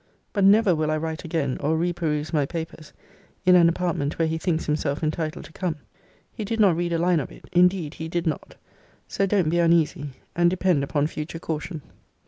But never will I write again, or re peruse my papers, in an apartment where he thinks himself entitled to come. He did not read a line of it. Indeed he did not. So don't be uneasy. And depend upon future caution.